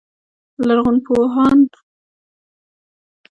لرغونپوهانو د دې سیمې په اړه څلوېښت کاله څېړنه وکړه